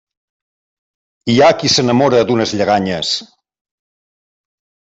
Hi ha qui s'enamora d'unes lleganyes.